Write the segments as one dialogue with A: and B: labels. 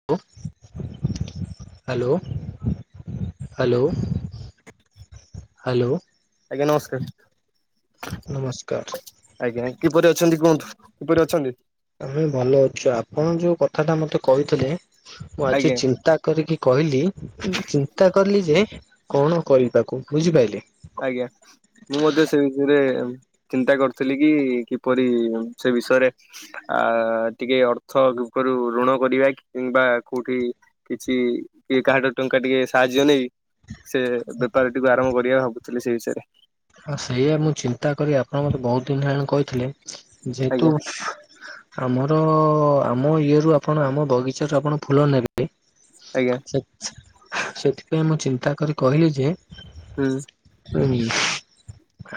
A: Hello hello. Hello.
B: ଆଜ୍ଞା ନମସ୍କାର।
A: ନମସ୍କାର।
B: ଆଜ୍ଞା କିପରି ଅଛନ୍ତି କୁହନ୍ତୁ କିପରି ଅଛନ୍ତି?
A: ଆମେ ଭଲ ଅଛୁ ଆପଣ ଯୋଉ କଥା ଟା ମତେ କହିଥିଲେ ମୁଁ ଆଜି
B: ଆଜ୍ଞା
A: ଚିନ୍ତା କରିକି କହିଲି ଉଁ ଉଁ ଚିନ୍ତା କଲି ଯେ କଣ କରିବାକୁ ବୁଝିପାଇଲେ।
B: ଆଜ୍ଞା। ମୁଁ ମଧ୍ୟ ସେ ରେ ଚିନ୍ତା କରିଥିଲି କି କିପରି ସେ ବିଷୟରେ ଆ ଟିକେ ଅର୍ଥ ରୁପରୁ ଋଣ କରିବା କିମ୍ବା କୋଉଠି କିଛି କିଏ କାହାଠାରୁ ଟଙ୍କା ଟିକେ ସାହାଯ୍ୟ ନେଇ ସେ ବେପାର ଟିକୁ ଆରମ୍ଭ କରିଆ ଭାବୁ ଥିଲି ସେଇ ବିଷୟରେ।
A: ହଁ ସେଇଆା ମୁଁ ଚିନ୍ତା କଲି ଆପଣ ମତେ ବହୁତ ଦିନି ହେଲାଣି କହିଥିଲେ। ଯେହେତୁ
B: ଆଜ୍ଞା
A: ଆମର ଆମ ଇଏ ରୁ ଆପଣ ଆମ ବଗିଚାରୁ ଆପଣ ଫୁଲ ନେ ବେ
B: ଆଜ୍ଞା
A: ସେ-ସେଥିପାଇଁ ମୁଁ ଚିନ୍ତା କରି କହିଲି ଯେ
B: ହୁଁ।
A: ହୁଁ।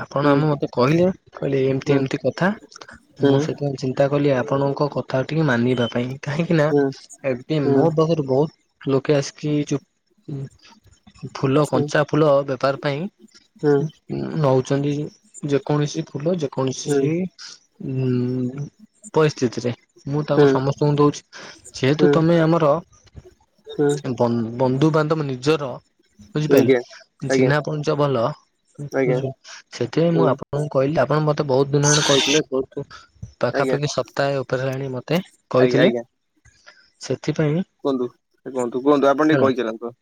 A: ଆପଣ
B: ହୁଁ
A: ଆମ ମତେ କହିଲେ କହିଲେ ଏମତି
B: ହୁଁ
A: ଏମତି କଥା
B: ହୁଁ
A: ମୁଁ ସେଇଥିପାଇଁ ଚି ନ୍ତା କଲି ଆପଣଙ୍କ କଥା ଟିକେ ମାନିବା ପାଇଁ କାହିଁକିନା
B: ହୁଁ
A: ଏବେ
B: ହୁଁ
A: ମୁଁ ବହୁତ ବହୁତ ଲୋକେ ଆସିକି ଯୋଉ ଫୁଲ
B: ହୁଁ
A: କଞ୍ଚା ଫୁଲ ବେପାର ପାଇଁ। ଉଁ ନଉଚନ୍ତି ଯେକୌଣସି ଫୁଲ
B: ହୁଁ
A: ଯେକୌଣସି ଉଁ ପରିସ୍ଥିତିରେ ମୁଁ ତାଙ୍କୁ
B: ହୁଁ
A: ସମସ୍ତଙ୍କୁ ଦଉଚି। ଯେହେତୁ
B: ହୁଁ
A: ତମେ ଆମର
B: ହୁଁ।
A: ବନ୍ଦ-ବନ୍ଧୁବାନ୍ଧବ ନିଜର ବୁଝିପାଇଲେ
B: ଆଜ୍ଞା ଆଜ୍ଞା
A: ଚିହ୍ନା ପରିଚୟ ଭଲ। ହୁଁ
B: ଆଜ୍ଞା ଆଜ୍ଞା
A: ବୁଝିଲି। ସେଥିପାଇଁ ମୁଁ ଆପଣଙ୍କୁ କହିଲି ଆପଣ ମତେ ବହୁତ ଦିନ ହେଲାଣି କହିଥିଲେ ବହୁତ
B: ଆଜ୍ଞା
A: ପାଖାପାଖି ସ ପ୍ତାହେ ଉପରେ ହେଲାଣି ମତେ
B: ଆଜ୍ଞା
A: କହିଥିଲେ
B: ଆଜ୍ଞା
A: ସେଥିପାଇଁ
B: କୁହନ୍ତୁ ଏ କୁହନ୍ତୁ କୁହନ୍ତୁ ଆପଣ ଟିକେ
A: ହେଲା
B: କହିଚାଲନ୍ତୁ।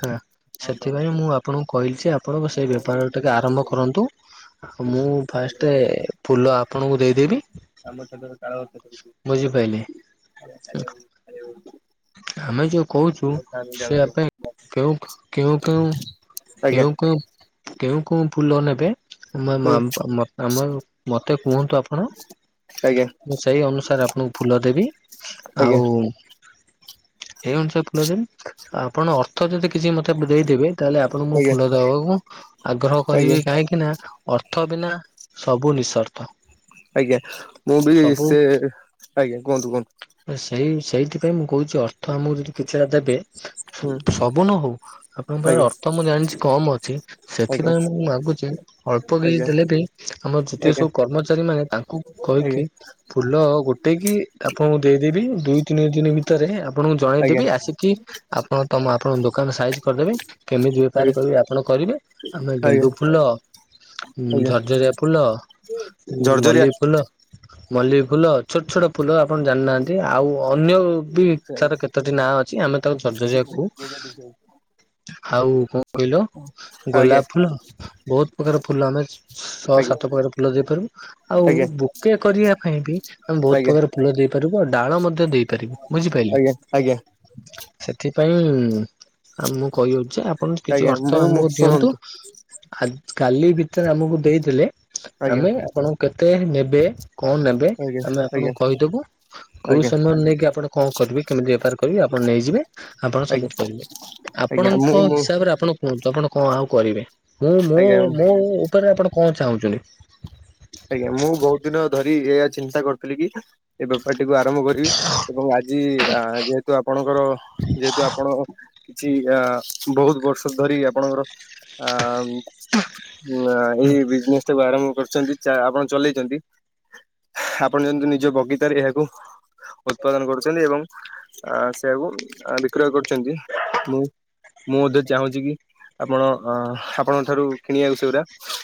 A: ହଁ। ସେଥିପାଇଁ ମୁଁ ଆପଣଙ୍କୁ କହିଲି ଯେ ଆପଣଙ୍କ ସେଇ ବେ ପାର ଟିକେ ଆରମ୍ଭ କରନ୍ତୁ ଆଉ ମୁଁ ଫାଷ୍ଟେ ଫୁଲ ଆପଣଙ୍କୁ ଦେଇଦେବି।
B: ଆମ ଛାତରେ ତାଳଗଛ
A: ବୁଝିପାରିଲେ
B: [unintelligible] କାଳିଆ କାଳିଆ [unintelligible] କାଳିଆ [unintelligible]
A: ଆମେ ଯୋଉ କହୁଛୁ ସେ ପାଇଁ କେଉ କେଉଁ କେଉଁ
B: ଆଜ୍ଞା
A: କେଉଁ କେଉଁ କେଉଁ କୋଉଁ ଫୁଲ ନେବେ
B: ହୁଁ
A: ମା-ମା ଆ ଆମ ମତେ କୁହନ୍ତୁ ଆପଣ।
B: ଆଜ୍ଞା
A: ମୁଁ ସେଇ ଅନୁସାରେ ଆପଣଙ୍କୁ ଫୁଲ ଦେବି
B: ଆଜ୍ଞା
A: ଆଉ ଏଇ ଅନୁସାରେ ଫୁଲ ଦେବି ଆପଣ ଅର୍ଥ ଯଦି କିଛି ମତେ ଦେଇଦେବେ ତାହେଲେ ଆ ଆପଣଙ୍କୁ ଫୁଲ ଦେବାକୁ ଆଗ୍ରହ
B: ଆଜ୍ଞା ଆଜ୍ଞା
A: କରିବି କା ହିଁକି ନା ଅର୍ଥ ବିନା ସବୁ ନିଃସର୍ଥ।
B: ଆଜ୍ଞା ମୁଁ ବି
A: ସବୁ
B: ସେ ଆଜ୍ଞା କୁହନ୍ତୁ କୁହନ୍ତୁ।
A: ଆଉ ସେଇ ସେଇଥିପାଇଁ ମୁଁ କହୁଚି ଅର୍ଥ ଆମକୁ ଯଦି କିଛିଟା ଦେବେ।
B: ହୁଁ।
A: ବ ନ ହଉ ଆପଣଙ୍କ ପାଖରେ
B: ଆଜ୍ଞା ଆଜ୍ଞା
A: ଅର୍ଥ ମୁଁ ଜାଣିଛି କମ୍ ଅଛି।
B: ଆଜ୍ଞା
A: ସେଥିପାଇଁ ମୁଁ ମାଗୁଚି ଅଳ୍ପ କିଛି
B: ଆଜ୍ଞା
A: ଦେଲେ ବି ଆମର ଯେତିକି ସବୁ
B: ଆଜ୍ଞା
A: କର୍ମଚାରୀମାନେ ତାଙ୍କୁ କହିକି ଫୁଲ ଗୋଟେଇକି ଆପଣଙ୍କୁ ଦେଇଦେବି ଦୁଇ ତିନି ଦିନି ଭିତରେ ଆପଣଙ୍କୁ
B: ଆଜ୍ଞା
A: ଜଣେଇଦେବି ଆସି କି ଆପ ଣ ତମ ଆପଣଙ୍କ ଦୋକାନ ସାଇଜ୍ କରିଦେବି କେମିତି ବେପାର
B: ଆଜ୍ଞା
A: କରିବି ଆପଣ କରିବେ ଆମେ
B: ଆଜ୍ଞା
A: ଗେଣ୍ଡୁ ଫୁଲ ଉଁ
B: ଆଜ୍ଞା
A: ଝରଝରିଆ ଫୁଲ ଉଁ
B: ଝରଝରିଆ ଆଜ୍ଞା
A: ମଲ୍ଲୀ ଫୁଲ ମଲ୍ଲୀ ଫୁଲ ଛୋଟ ଛୋଟ ଫୁଲ ଆପଣ ଜାଣିନାହାନ୍ତି ଆଉ ଅନ୍ୟ ବି ତାର କେତୋଟି ନାଁ ଅଛି ଆମେ ତାକୁ [unintelligible] କହୁ।
B: ଆଜ୍ଞା ଆଜ୍ଞା
A: ଆଉ କଣ କହିଲ ଗୋଲାପ ଫୁଲ ବହୁତ ପ୍ରକାର ଫୁଲ ଆମେ ଛଅ ସାତ ପ୍ରକାର ଫୁଲ ଦେଇପାରିବୁ। ଆଉ
B: ଆଜ୍ଞା
A: ବୁକେ କରିବା ପାଇଁ ବି ଆମେ ବହୁତ
B: ଆଜ୍ଞା
A: ପ୍ରକାର ଫୁଲ ଦେଇପାରିବୁ ଆଉ ଡାଳ ମଧ୍ୟ ଦେଇପାରିବୁ ବୁଝିପାରିଲେ।
B: ଆଜ୍ଞା
A: ସେଥିପାଇଁ ମୁଁ କହି ଦେଉଛି ଆପଣ ଯଦି କିଛି
B: ଆଜ୍ଞା
A: ଅର୍ଥ
B: ମୁଁ
A: ଆମକୁ ଦିଅନ୍ତୁ।
B: ଶୁଣନ୍ତୁ
A: ଆ କାଲି ଭିତରେ ଆମକୁ ଦେଇଦେଲେ
B: ଆଜ୍ଞା
A: ଆମେ ଆପଣ କେତେ ନେବେ କଣ ନେବେ
B: ଆଜ୍ଞା
A: ଆମେ
B: ଆଜ୍ଞା
A: ଆପଣଙ୍କୁ କହିଦବୁ। କୋଉ
B: ଆଜ୍ଞା
A: ସମୟ ନେଇକି ଆପଣ କଣ କରିବେ କେମିତି ବେପାର କରିବେ ଆପଣ ନେଇଯିବେ। ଆପଣ
B: ଆଜ୍ଞା
A: ସବୁକିଛି କରିବେ।
B: ଆଜ୍ଞା
A: ଆପଣଙ୍କ
B: ମୁଁ ମୁଁ
A: ହିସାବରେ ଆପଣ କୁହନ୍ତୁ ଆପଣ କଣ ଆଉ କରିବେ। ମୁଁ ମୋ
B: ଆଜ୍ଞା
A: ମୋ ଉପରେ ଆପଣ କଣ ଚାହୁଁଛନ୍ତି?
B: ଆଜ୍ଞା ମୁଁ ବହୁତ ଦିନ ଧରି ଏଇଆ ଚିନ୍ତା କରୁଥିଲି କି ଏ ବେପାରଟିକୁୁ ଆରମ୍ଭ କରିବି ଏବଂ ଆଜି ଯେହେତୁ ଆପଣଙ୍କର ଯେହେତୁ ଆପଣ କିଛି ଅ ବହୁତ ବର୍ଷ ଧରି ଆପଣଙ୍କର ଆ ନା
A: ହଁ
B: ଏଇ ବିଜନେସ୍ ଟାକୁ ଆରମ୍ଭ କରିଛନ୍ତି ଆପଣ ଚଲେଇଛନ୍ତି। ଆପଣ ଯେମତି ନିଜ ବଗିଚାରେ ଏହାକୁ ଉତ୍ପାଦନ କରୁଛନ୍ତି ଏବଂ ଆ ସେଇଆକୁ ବିକ୍ରୟ କରୁଛନ୍ତି। ମୁଁ ମୁଁ ମଧ୍ୟ ଚାହୁଁଛି କି ଆପଣ ଆପଣଙ୍କ ଠାରୁ କିଣିବାକୁ ସେଗୁଡ଼ା।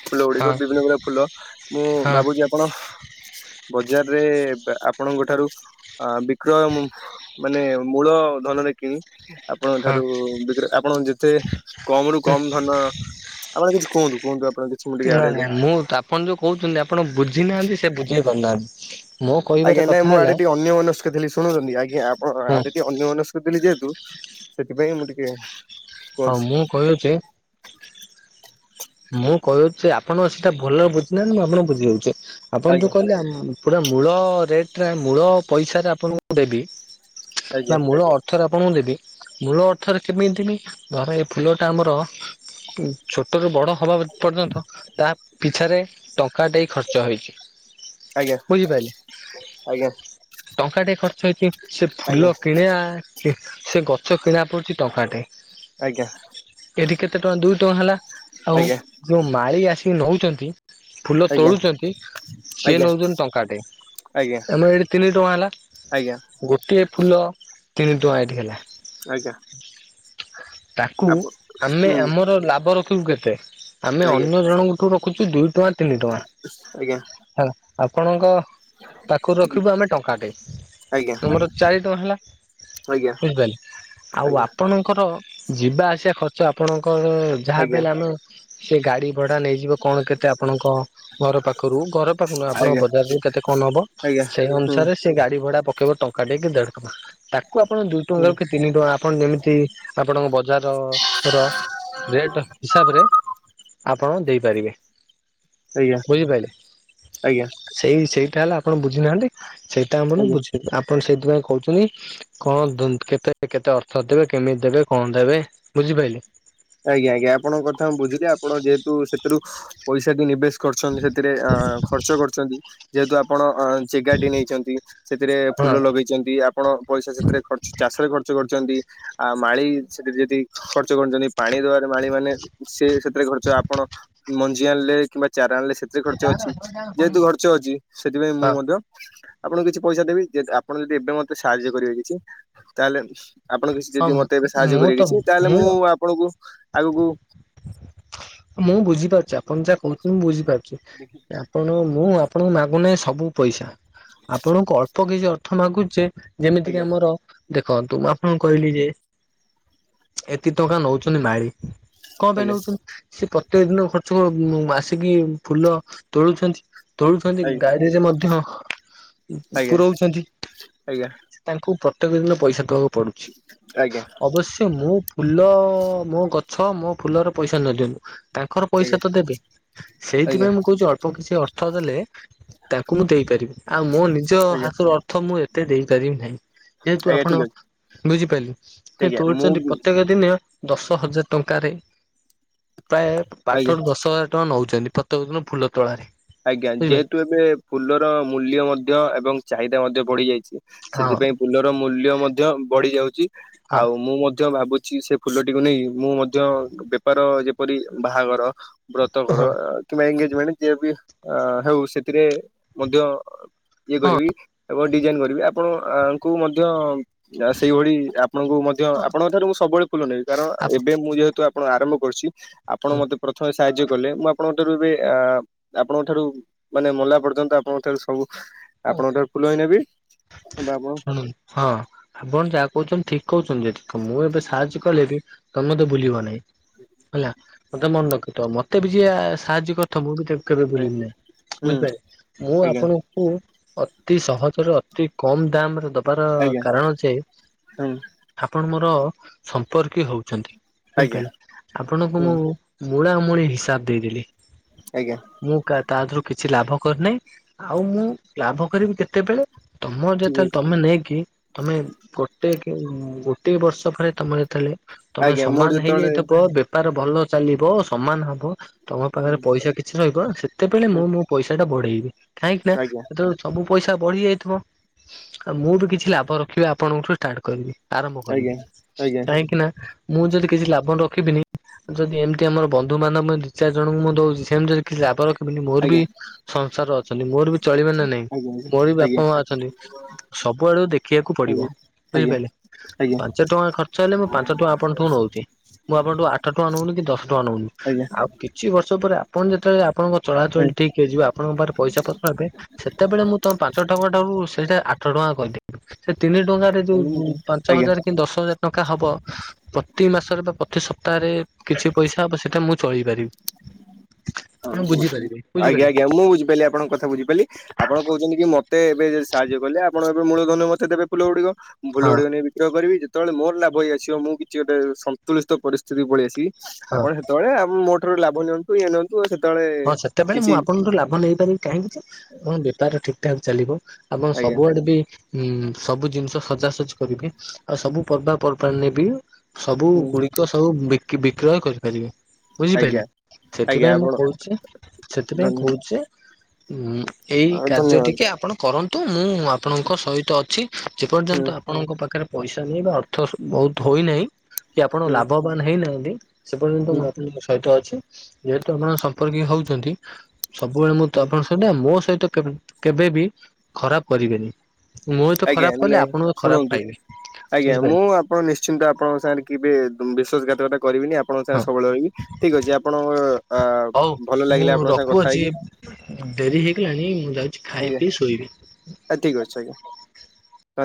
B: ଫୁଲଗୁଡିକ
A: ହଁ
B: ବିଭିନ୍ନ ପ୍ରକାର ଫୁଲ ମୁଁ ଭାବୁଛି ଆପଣ ବଜାରରେ ଆପଣଙ୍କ ଠାରୁ ଅ ବିକ୍ରୟ ମାନେ ମୂଳ ଧନରେ କିଣି ଆପଣଙ୍କ
A: ହଁ
B: ଠାରୁ ବିକ୍ର ଆପଣ ଯେତେ କମରୁ କମ ଧନ ଆପଣ କିଛି କୁହନ୍ତୁ। କୁହନ୍ତୁ ଆପଣ କିଛି ମୁଁ ଟିକେ
A: ନା
B: ଆଡେ
A: ନା ମୁଁ ଆପଣ ଯୋଉ କହୁଛନ୍ତି ଆପଣ ବୁଝି ନାହାନ୍ତି ସେ ବୁଝେଇ ପାରୁନାହାନ୍ତି। ମୋ କହିବାର
B: ଆଜ୍ଞା ନାଇଁ
A: କଥା
B: ମୁଁ
A: ହେଲା
B: ଆଡେ ଟିକେ ଅନ୍ୟ ମନସ୍କ ଥିଲି। ଶୁଣୁଛନ୍ତି ଆଜ୍ଞା ଆପଣ
A: ହଁ
B: [unintelligible] ଅନ୍ୟମନସ୍କ ଥିଲି ଯେହେତୁ ସେଥିପାଇଁ ମୁଁ ଟିକେ
A: ହଁ
B: କୁହନ୍ତୁ
A: ମୁଁ କହିଅଛି। ମୁଁ କହଛି ଆପଣ ସେଇଟା ଭଲ ବୁଝି ନାହାନ୍ତି। ମୁଁ ଆପଣ ବୁଝି ଦାଉଛି ଆପଣ ଯୋଉ
B: ଆଜ୍ଞା
A: କହିଲେ ପୁରା ମୂଳ ରେଟରେ ମୂଳ ପଇସାରେ ଆପଣଙ୍କୁ ଦେବି ବା
B: ଆଜ୍ଞା
A: ମୂଳ ଅର୍ଥରେ ଆପଣଙ୍କୁ ଦେବି। ମୂଳ ଅର୍ଥରେ କେମିତି ଦେବି ଧର ଏ ଫୁଲଟା ଆମର ଛୋଟରୁୁ ବଡ଼ ହେବା ପର୍ଯ୍ୟନ୍ତ ତା ପିଛାରେ ଟଙ୍କା ଦେଇ ଖର୍ଚ୍ଚ ହୋଇଛି।
B: ଆଜ୍ଞା
A: ବୁଝିପାରିଲେ
B: ଆଜ୍ଞା
A: ଟଙ୍କା ଟିଏ ଖର୍ଚ୍ଚ ହେଇଛି। ସେ
B: ଆଜ୍ଞା
A: ଫୁଲ କିଣିବା ସେ ଗଛ କିଣା ପଡୁଛି ଟଙ୍କାଟେ।
B: ଆଜ୍ଞା।
A: ଏଠି କେତେ ଟଙ୍କା ଦୁଇ ଟଙ୍କା ହେଲା ଆଉ
B: ଆଜ୍ଞା
A: ଯୋଉ ମାଳି ଆସିକି ନଉଛନ୍ତି। ଫୁଲ
B: ଆଜ୍ଞା
A: ତୋଳୁଛନ୍ତି ସିଏ
B: ଆଜ୍ଞା
A: ନେଉଛନ୍ତି ଟଙ୍କାଟେ।
B: ଆଜ୍ଞା
A: ଆମର ଏଇଠି ତିନି ଟଙ୍କା ହେଲା।
B: ଆଜ୍ଞା
A: ଗୋଟିଏ ଫୁଲ ତିନି ଟଙ୍କା ଏଇଠି ହେଲା।
B: ଆଜ୍ଞା।
A: ତାକୁ
B: ଆପ
A: ଆମେ
B: ହୁଁ
A: ଆମର ଲାଭ ରଖିବୁ କେତେ? ଆମେ
B: ଆଜ୍ଞା
A: ଅନ୍ୟ ଜଣଙ୍କଠୁ ରଖୁଛୁ ଦୁଇ ଟଙ୍କା ତିନି
B: ଆଜ୍ଞା
A: ଟଙ୍କା ହେଲା। ଆପଣଙ୍କ ପାଖରୁ ରଖିବୁ ଆମେ ଟଙ୍କାଟେ,
B: ଆଜ୍ଞା
A: ତୁମର ଚାରି ଟଙ୍କା ହେଲା।
B: ଆଜ୍ଞା ଆଜ୍ଞା
A: ବୁଝିପାରିଲେ। ଆଉ ଆପଣଙ୍କର ଯିବା ଆସିବା ଖର୍ଚ୍ଚ ଆପଣଙ୍କର ଯାହା ବି
B: ଆଜ୍ଞା ଆଜ୍ଞା
A: ହେଲେ ଆମେ ସେ ଗାଡି ଭଡା ନେଇଯିବ କଣ କେତେ ଆପଣଙ୍କ ଘର ପାଖରୁ ଘର ପାଖରୁ ନୁହେଁ ଆପଣଙ୍କ
B: ଆଜ୍ଞା
A: ବଜାରରୁ କେତେ କଣ ନବ।
B: ଆଜ୍ଞା, ହୁଁ।
A: ସେ ଗାଡି ଭଡା ପକେଇବ ଟଙ୍କା ଟେ କି ଦେଢ ଟଙ୍କା ତାକୁ ଆପଣ ଦୁଇ ଟଙ୍କା
B: ହୁଁ
A: କୁ କେ ତିନି ଟଙ୍କା ଆପଣ ଯେମିତି ଆପଣଙ୍କ ବଜାର ର ରେଟ୍ ହିସାବରେ ଆପଣ ଦେଇପାରିବେ
B: ଆଜ୍ଞା
A: ବୁଝିପାରିଲେ।
B: ଆଜ୍ଞା
A: ସେଇ ସେଇଟା ହେଲା ଆପଣ ବୁଝି ନାହାନ୍ତି, ସେଇଟା ଆପଣ
B: ଆଜ୍ଞା
A: ବୁଝି, ଆପଣ ସେଇଥିପାଇଁ କହୁଚନି କଣ ଦୁନ୍ କେତେ କେତେ ଅର୍ଥ ଦେବେ କେମିତି ଦେବେ କଣ ଦେବେ ବୁଝିପାଇଲେ।
B: ଆଜ୍ଞା ଆଜ୍ଞା ଆପଣଙ୍କ କଥା ମୁଁ ବୁଝିଲି, ଆପଣ ଯେହେତୁ ସେଥିରୁ ପଇସାଟି ନିବେଶ କରଛନ୍ତି ସେଥିରେ ଆ, ଖର୍ଚ୍ଚ କରୁଛନ୍ତି ଯେହେତୁ ଆପଣ ଅ, ଚେଗାଟି ନେଇଛନ୍ତି ସେଥିରେ
A: ହଁ
B: ଫୁଲ ଲଗେଇ ଚନ୍ତି ଆପଣ ପଇସା ସେଥିରେ ଖର୍ଚ୍ଚ ଚାଷରେ ଖର୍ଚ୍ଚ କରିଛନ୍ତି। ଆ, ମାଳି ସେଠି ଯଦି ଖର୍ଚ୍ଚ କରିଚନ୍ତି। ପାଣି ଦବାରେ ମାଳି ମାନେ ସେ ସେଥିରେ ଖର୍ଚ୍ଚ, ଆପଣ ମଞ୍ଜି ଆଣିଲେ କିମ୍ବା ଚାରା ଆଣିଲେ ସେ ଥିରେ ଖର୍ଚ୍ଚ ଅଛି, ଯେହେତୁ ଖର୍ଚ୍ଚ ଅଛି ସେଥିପାଇଁ ମୁଁ
A: ହଁ
B: ମଧ୍ୟ ଆପଣ କିଛି ପଇସା ଦେବେ କି ଏଟ୍ ଆପଣ ଯଦି ଏବେ ମୋତେ ସାହାଯ୍ୟ କରିବେ କିଛି ତାହେଲେ ଆପଣ କିଛି
A: ହଁ
B: ଯଦି ମୋତେ ଏବେ ସାହାଯ୍ୟ
A: ମୁଁ ତ
B: କରିବେ କିଛି, ତାହେଲେ ମୁଁ ଆପଣଙ୍କୁ ଆଗକୁ
A: ମୁଁ ବୁଝିପାରୁଛି ଆପଣ ଯାହା କହୁଛନ୍ତି ବୁଝିପାରୁଚି ଆ ଆପଣ ମୁଁ ଆପଣଙ୍କୁ ମାଗୁନାଇ ସବୁ ପଇସା ଆପଣଙ୍କୁ ଅଳ୍ପ କିଛି ଅର୍ଥ ମାଗୁଚେ ଯେମିତି କିି
B: ଆଜ୍ଞା
A: ଆମର ଦେଖନ୍ତୁ ମୁଁ ଆପଣଙ୍କୁ କହିଲି ଯେ ଏତେ ଟଙ୍କା ନଉଛନ୍ତି ମାଳି। କଣ ପାଇଁ
B: ଆଜ୍ଞା
A: ନଉଛନ୍ତି? ସେ ପ୍ରତ୍ୟକ ଦିନ ଖର୍ଚ୍ଚ ମୁ ଆସିକି ଫୁଲ ତୋଳୁଛନ୍ତି। ତୋଳୁଛନ୍ତି,
B: ଆଜ୍ଞା
A: ଗାଡିରେ ମଧ୍ୟ
B: ଆଜ୍ଞା
A: ପୁରଉଛନ୍ତି।
B: ଆଜ୍ଞା
A: ତାଙ୍କୁ ପ୍ରତ୍ୟେକ ଦିନ ପଇସା ଦବାକୁ ପଡ଼ୁଛି,
B: ଆଜ୍ଞା
A: ଅବଶ୍ୟ ମୁଁ ଫୁଲ ମୋ ଗଛ ମୋ ଫୁଲର ପଇସା ନ ଦିଅନ୍ତୁ। ତାଙ୍କର ପଇସା
B: ଆଜ୍ଞା
A: ତ ଦେବେ।
B: ଆଜ୍ଞା
A: ସେଇଥିପାଇଁ ମୁଁ କହୁଛି ଅଳ୍ପ କିଛି ଅର୍ଥ ଦେଲେ ତାଙ୍କୁ ମୁଁ ଦେଇପାରିବି। ଆଉ ମୋ ନିଜ
B: ଆଜ୍ଞା
A: ହାତରୁ ଅର୍ଥ ମୁଁ ଏତେ ଦେଇପାରିବି ନାହିଁ। ଯେହେତୁ
B: ଆଜ୍ଞା
A: ଆପଣ
B: ଠିକ ଅଛି
A: ବୁଝିପାଇଲେ। ସେ
B: ଆଜ୍ଞା ମୁଁ
A: ତୋଳୁଛନ୍ତି ପ୍ରତ୍ୟେକ ଦିନ ଦଶ ହଜାର ଟଙ୍କାରେ। ପ୍ରାୟ
B: ଆଜ୍ଞା।
A: ପାଠ ରୁ ଦଶ ହଜାର ଟଙ୍କା ନଉଛନ୍ତି ପ୍ରତ୍ୟେକ ଦିନ ଫୁଲ ତୋଳାରେ।
B: ଆଜ୍ଞା,
A: ବୁଝିଲେ
B: ଯେହେତୁ ଏବେ ଫୁଲର ମୂଲ୍ୟ ମଧ୍ୟ ଏବଂ ଚାହିଦା ମଧ୍ୟ ବଢି ଯାଇଛି।
A: ହଁ
B: ସେଥିପାଇଁ ପୁଲର ମୂଲ୍ୟ ମଧ୍ୟ ବଢି ଯାଉଚି।
A: ହଁ
B: ଆଉ ମୁଁ ମଧ୍ୟ ଭାବୁଛି ସେ ଫୁଲଟିକୁ ନେଇ ମୁଁ ମଧ୍ୟ ବେପାର ଯେପରି ବାହାଘର, ବ୍ରତ ଘର
A: ହଁ
B: ଆ କିମ୍ବା ଏଗେଜମେଣ୍ଟ ଯିଏ ବି ଅ, ହେଉ ସେଥିରେ ମଧ୍ୟ ଇଏ କରିବି,
A: ହଁ
B: ଏବଂ ଡିଜାଇନ୍ କରିବି। ଆପଣ ଆଙ୍କୁ ମଧ୍ୟ ଆ, ସେଇଭଳି ଆପଣଙ୍କୁ ମଧ୍ୟ ଆପଣଙ୍କ ଠାରୁ ମୁଁ ସବୁବେଳେ ଫୁଲ ନେବି। କାରଣ
A: ଆପଣ
B: ଏବେ ମୁଁ ଯେହେତୁ ଆ ଆପଣ ଆରମ୍ଭ କରୁଛି। ଆପଣ ମୋତେ ପ୍ରଥମେ ସାହାଯ୍ୟ କଲେ। ମୁଁ ଆପଣଙ୍କ ଠାରୁ ଏବେ ଆ ଆପଣଙ୍କ ଠାରୁ, ମାନେ ମଲା ପର୍ଯ୍ୟନ୍ତ ଆପଣଙ୍କ ଠାରୁ ସବୁ ଆପଣଙ୍କଠାରୁ ଫୁଲ ହେଇ ନେବି। ହଁ ବାବ
A: ଶୁଣନ୍ତୁ ହଁ, ଆପଣ ଯାହା କହୁଛନ୍ତି ଠିକ କହୁଛନ୍ତି ଯେ ଦେଖ ମୁଁ, ଏବେ ସାହାଯ୍ୟ କଲେ ବି ତୋମେ ତେ ବୁଲିବ ନାହିଁ, ହେଲା। ମୋତେ ମନେ ରଖିଥ, ମୋତେ ବି ଯିଏ ସାହାଯ୍ୟ କର ଥ ମୁଁ ବି ତାକୁ କେବେ ଭୁଲିବି ନାହିଁ। ବୁଝିପାଇଲେ, ମୁଁ
B: ଆଜ୍ଞା
A: ଆପଣ ଙ୍କୁ ଅତି ସହଜରେ ଅତି କମ ଦାମରେ ଦ ବାର
B: ଆଜ୍ଞା
A: କାରଣ ଯେ
B: ହୁଁ
A: ଆପଣ ମୋର ସମ୍ପର୍କୀୟ ହଉଛନ୍ତି।
B: ଆଜ୍ଞା
A: ବୁଝିପାଇଲ? ଆପଣଙ୍କୁ
B: ହୁଁ
A: ମୁଁ ମୂଳା ମୂଣି ହିସାବ ଦେଇଦେଲି।
B: ଆଜ୍ଞା।
A: ମୁଁ କା- ତା ଧିଅରୁ କିଛି ଲାଭ କରିନାହିଁ। ଆଉ ମୁଁ ଲାଭ କରିବି କେତେବେଳେ ତମର
B: ଠିକ୍
A: ଯେତେବେଳେ
B: ଅଛି
A: ତମେ ନେଇକି। ତମେ ଗୋଟେ କେ ଗୋଟେ ବର୍ଷ ପରେ ତମେ ଯେତେବେଳେ। ତମେ
B: ଆଜ୍ଞା ମୋର
A: ସମାନ ହେଇଯାଇ
B: ଯେତେବେଳେ
A: ଥବ ବେ ବେପାର ଭଲ ଚାଲିବ ସମାନ ହବ। ତମ
B: ହୁଁ
A: ପାଖରେ ପଇସା କିଛି ରହିବ ସେତେବେଳେ
B: ହୁଁ
A: ମୁଁ ମୋ ପଇସା ଟା ବଢେଇବି କାହିଁକି ନା।
B: ଆଜ୍ଞା
A: ସେତେବେଳେ ସବୁ ପଇସା ବଢି ଯାଇଥିବ। ଆଉ ମୁଁ ବି କିଛି ଲାଭ ରଖିବା ଆପଣଙ୍କଠୁ ଷ୍ଟାର୍ଟ କରିବି। ଆରମ୍ଭ
B: ଆଜ୍ଞା
A: କରିବି।
B: ଆଜ୍ଞା
A: କାହିଁକି ନା ମୁଁ ଯଦି କିଛି ଲାଭ ରଖିବିନି। ଯଦି ଏମିତି ଆମର ବନ୍ଧୁ ମାନେ ମୁଁ ଦି ଚାରି ଜଣଙ୍କୁ ମୁଁ ଦଉଛି ସେମିତି ଯଦି କିଛି ଲାଭ ର ଖି ବିନି ମୋର ବି
B: ଆଜ୍ଞା
A: ସଂସାର ଅଛନ୍ତି। ମୋର ବି ହେବେ ନା ନାଇଁ
B: ଆଜ୍ଞା
A: ମୋର ବି
B: ଆଜ୍ଞା
A: ବାପା ମା ଅଛନ୍ତି। ସବୁଆଡୁ କୁ ଦେଖିବାକୁ ପଡିବ
B: ଆଜ୍ଞା ଆଜ୍ଞା ଆଜ୍ଞା
A: ବୁଝିପାଇଲେ।
B: ଆଜ୍ଞା
A: ପାଞ୍ଚ ଟଙ୍କା ଖର୍ଚ୍ଚ ହେଲେ। ମୁଁ, ପାଞ୍ଚ ଟଙ୍କା ଆପଣ ଠୁ ନଉଛି। ମୁଁ, ଆପଣଙ୍କଠୁ ଆଠ ଟଙ୍କା ନଉନି କି ଦଶ ଟଙ୍କା ନଉନି। ଆଉ କିଛି ବର୍ଷ ପରେ ଆପଣ ଯେତେବେଳେ ଆପଣଙ୍କ ଚଳାଚଳି ଠିକ ହେଇଯିବ। ଆପଣଙ୍କ ପାରେ ପଇସା ପତ୍ର ହେବେ। ସେତେବେଳେ। ମୁଁ, ତମ ପାଞ୍ଚ ଟଙ୍କା ଠାରୁ ସେଇଟା ଆଠ ଟଙ୍କା କହିଦେବି। ସେ ତିନି ଟଙ୍କାରେ ଯୋଉ
B: ଆଜ୍ଞା
A: ପାଞ୍ଚ
B: ଆଜ୍ଞା
A: ହଜାର କି ଦଶ ହଜାର ଟଙ୍କା ହବ। ପ୍ରତି ମାସରେ ବା ପ୍ରତି ସପ୍ତାହରେ କିଛି ପଇସା ହବ ସେଟା ମୁ ଚଳି ପାରିବି। ଆପଣ
B: ଆଉ କୁହନ୍ତୁନୀ
A: ବୁଝିପାରିବେ
B: ଆଜ୍ଞା
A: ବୁଝିପାରିବେ
B: ଆଜ୍ଞା ମୁଁ ବୁଝିପାରିଲ ଆପଣଙ୍କ କଥା ବୁଝିପାରିଲି। ଆପଣ କହୁଛନ୍ତି। କି ମତେ ଏବେ ଯଦି ସାହାଯ୍ୟ କଲେ ଆପଣ ଏବେ ମୂଳ ଧନରୁ ମତେ ଦେବେ ଫୁଲ ଗୁଡିକ। ମୁଁ ଫୁଲ
A: ହଁ
B: ଗୁଡିକ ନେଇ ବିକ୍ରୟ କରିବି ଯେତେବେଳେ ମୋର ଲାଭ ହେଇ ଆସିବ। ମୁଁ କିଛି ଗୋଟେ ସନ୍ତୁଳିସ୍ତ ପରିସ୍ଥିତି କୁ ପଳେଇ ଆସିବି।
A: ହଁ।
B: ଆପଣ ସେତେବେଳେ ଆମ ମୋ ଠାରୁ ଲାଭ ନିଅନ୍ତୁ ଇଏ ନିଅନ୍ତୁ ଆଉ ସେତେବେଳେ।
A: ହଁ, ସେତେବେଳେ
B: କିଛି
A: ମୁଁ ଆପଣଠୁ ଲାଭ ନେଇପାରିବି। କାହିଁକି ଯେ ଆପଣଙ୍କ ବେପାର ଠିକ ଠାକ ଚାଲିବ। ଆପଣ
B: ଆଜ୍ଞା
A: ସବୁଆଡେ ବି। ହୁଁ ସବୁ ଜିନିଷ ସଜା ସଜି କରିବେ ଆଉ ସବୁ ପର୍ବା ପର୍ବାଣିରେ ବି। ସବୁ
B: ହୁଁ
A: ଗୁଡିକ ସବୁ ବିକି ବିକ୍ରୟ କରିପାରିବେ ବୁଝିପାରିଲେ
B: ଆଜ୍ଞା ଆଜ୍ଞା
A: ସେଥିପାଇଁ ମୁଁ
B: ଆପଣ
A: କ ଆଛା ସେଥିପାଇଁ
B: ଧନ୍ୟ
A: କହୁଛେ‌ ଉଁ ଏଇ କାର୍ଯ୍ୟ
B: ଧନ୍ୟବାଦ
A: ଟିକେ ଆପଣ। କରନ୍ତୁ ମୁଁ ଆପଣଙ୍କ ସହିତ ଅଛି ଯେପର୍ଯ୍ୟନ୍ତ
B: ହୁଁ
A: ଆପ ଆପଣଙ୍କ ପାଖରେ ପଇସା ନାହିଁ। ବା ଅର୍ଥ ବହୁତ ହୋଇନାହିଁ। କି ଆପଣ
B: ହୁଁ
A: ଲାଭବାନ ହେଇନାହାନ୍ତି। ସେ ପର୍ଯ୍ୟନ୍ତ
B: ହୁଁ
A: ମୁଁ ଆପଣଙ୍କ ସହିତ ଅଛି ଯେହେତୁ ଆପଣ ସମ୍ପର୍କୀୟ ହଉଛନ୍ତି। ସବୁବେଳେ ମୁଁ ତ
B: ହୁଁ
A: ଆପଣଙ୍କ ସହିତ ଆଉ ମୋ ସହିତ କେବେବି ଖରାପ କରିବେନି। ମୋ ସହିତ
B: ଆଜ୍ଞା
A: ଖରାପ କଲେ
B: ନାଇଁ
A: ଆପଣ ବି ଖରାପ
B: ଶୁଣନ୍ତୁ
A: ପାଇଲେ
B: ଆଜ୍ଞା ମୁଁ
A: ବୁଝିପାରିଲେ।
B: ଆପଣ ନିଶ୍ଚିନ୍ତ ଆପଣଙ୍କ ସାଙ୍ଗରେ କେବେ ବିଶ୍ୱାସଘାତକଟା କରିବିନି ଆପ ଆପଣଙ୍କ
A: ହଁ
B: ସାଙ୍ଗେ ସବୁବେଳେ ରହିବି ଠିକ ଅଛି ଆପଣଙ୍କ ଆ ଭଲ ଲାଗିଲେ ଆପଣଙ୍କ ସାଙ୍ଗରେ କଥା ହେଇକି।
A: ଉଁ ଡେରି ହେଇଗଲାଣି ମୁଁ ଯାଉଛି ଖାଇ ପିଇ ଶୋଇବି।
B: ଆ ଠିକ୍ ଅଛି ଆଜ୍ଞା। ଧନ୍ୟ